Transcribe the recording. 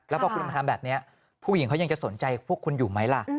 แล้วพอคุณมาทำแบบนี้ผู้หญิงเขายังจะสนใจพวกคุณอยู่ไหมล่ะ